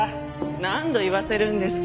何度言わせるんですか。